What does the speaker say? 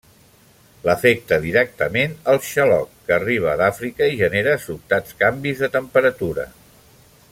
L'afecta directament el xaloc, que arriba d'Àfrica i genera sobtats canvis de temperatura.